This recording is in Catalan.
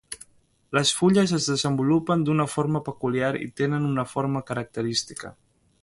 Les fulles es desenvolupen d'una forma peculiar i tenen una forma característica.